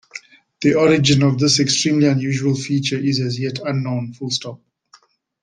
The origin of this extremely unusual feature is as yet unknown.